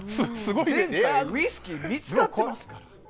前回、ウイスキー見つかってますから。